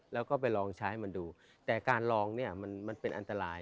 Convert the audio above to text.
แล้วก็ไปลองใช้ให้มันดูแต่การลองเนี่ยมันเป็นอันตราย